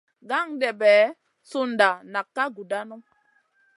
Gandebe sunda nak ka gudanu.